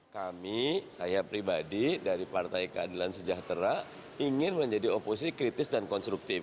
kami saya pribadi dari partai keadilan sejahtera ingin menjadi oposisi kritis dan konstruktif